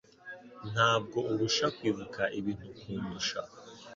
Ntabwo urusha kwibuka ibintu kundusha.